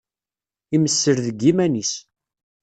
Imessel deg yiman-is.